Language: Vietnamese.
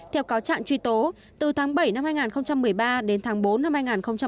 theo cáo trạng truy tố từ tháng bảy năm hai nghìn một mươi ba đến tháng bốn năm hai nghìn một mươi bảy